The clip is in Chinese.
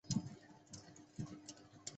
栗川白塔的历史年代为宋代。